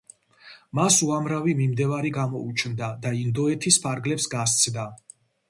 მას უამრავი მიმდევარი გამოუჩნდა და ინდოეთის ფარგლებს გასცდა.